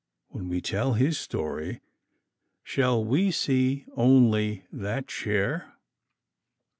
When we tell his story, shall we see only that share?